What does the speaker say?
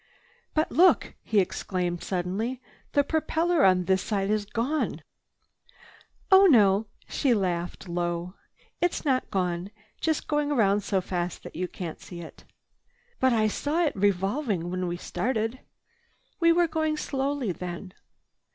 "But look!" he exclaimed suddenly. "The propeller on this side is gone!" "Oh, no!" She laughed low. "It's not gone. Just going around so fast you can't see it." "But I saw it revolving when we started." "We were going slowly then."